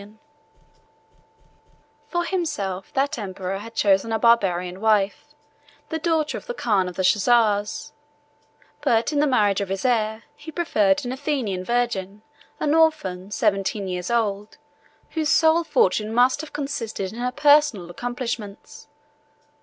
] For himself, that emperor had chosen a Barbarian wife, the daughter of the khan of the Chozars; but in the marriage of his heir, he preferred an Athenian virgin, an orphan, seventeen years old, whose sole fortune must have consisted in her personal accomplishments.